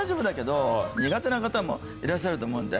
苦手な方もいらっしゃると思うんで。